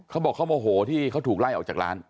เขาบอกเขาโมโหที่เขาถูกไล่ออกจากร้าน